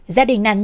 gia đình nạn nhân